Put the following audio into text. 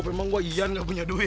cukup emang gue iyan gak punya duit